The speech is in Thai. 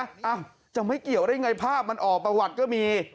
อ้าวจะไม่เกี่ยวได้ไงภาพมันออกประวัติก็มี